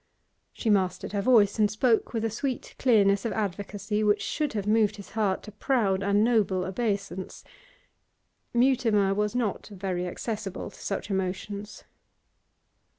She mastered her voice, and spoke with a sweet clearness of advocacy which should have moved his heart to proud and noble obeisance. Mutimer was not very accessible to such emotions.